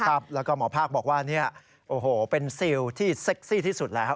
ครับแล้วก็หมอภาคบอกว่าเนี่ยโอ้โหเป็นซิลที่เซ็กซี่ที่สุดแล้วครับ